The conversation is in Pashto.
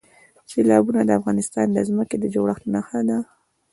سیلابونه د افغانستان د ځمکې د جوړښت نښه ده.